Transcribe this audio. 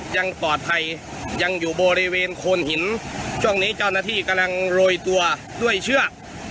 ยังปลอดภัยยังอยู่บริเวณโคนหินช่วงนี้เจ้าหน้าที่กำลังโรยตัวด้วยเชือก